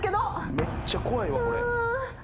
めっちゃ怖いわこれ。